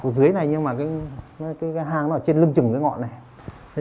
ở dưới này nhưng mà cái hang nó ở trên lưng trừng cái ngọn này